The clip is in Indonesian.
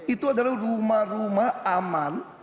itu adalah rumah rumah aman